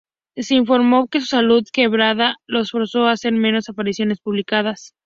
Se informó que su salud quebrantada lo forzó a hacer menos apariciones públicas.